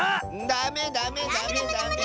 ダメダメダメダメ！